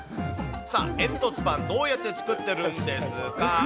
さあ、煙突パン、どうやって作ってるんですか？